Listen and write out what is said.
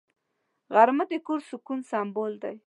غرمه د کور د سکون سمبول دی